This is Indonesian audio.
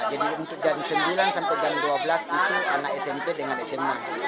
jadi untuk jam sembilan sampai jam dua belas itu anak smp dengan sma